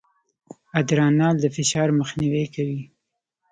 ادرانال د فشار مخنیوی کوي.